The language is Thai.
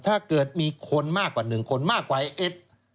ถ้าเกิดมีคนมากกว่าหนึ่งคนมากกว่าเอ็ด